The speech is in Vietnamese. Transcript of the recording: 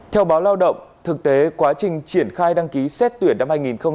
theo báo lao động thực tế quá trình triển khai đăng ký xét tuyển năm hai nghìn hai mươi